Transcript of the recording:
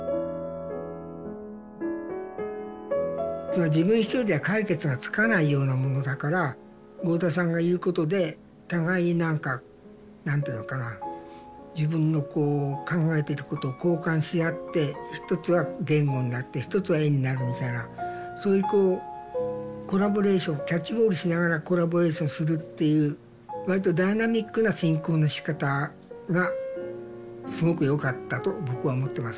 つまり自分一人では解決がつかないようなものだから合田さんがいることで互いに何か何て言うのかな自分のこう考えていることを交換し合って一つは言語になって一つは絵になるみたいなそういうこうコラボレーションキャッチボールしながらコラボレーションするっていうわりとダイナミックな進行のしかたがすごくよかったと僕は思ってますけどね。